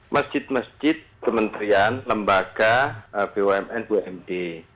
masjid masjid kementerian lembaga bumn bumd